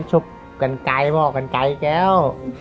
ฉุบก่อนไก่พ่อก่อนไก่แก้ว